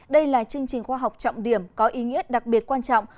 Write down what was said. đây là chương trình khoa học trọng điểm có ý nghĩa đặc biệt quan trọng